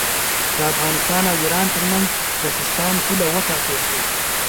د افغانستان او ایران ترمنځ د سیستان پوله وټاکل شوه.